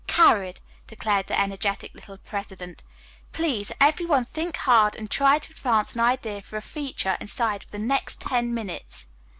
"Carried," declared the energetic little president. "Please, everyone think hard and try to advance an idea for a feature inside of the next ten minutes."